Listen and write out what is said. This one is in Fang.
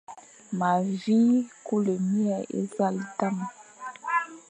Ma vi kule mie e zal dam,